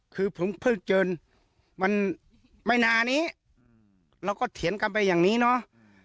คือผมเพิ่งเจอมันไม่นานนี้เราก็เถียงกันไปอย่างนี้เนาะ